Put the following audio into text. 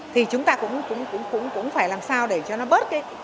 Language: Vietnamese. thì chúng ta cũng phải làm sao để cho nó bớt cái